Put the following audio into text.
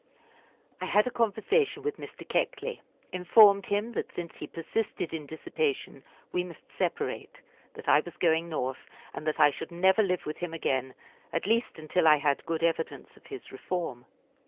I had a conversation with Mr. Keckley; informed him that since he persisted in dissipation we must separate; that I was going North, and that I should never live with him again, at least until I had good evidence of his reform.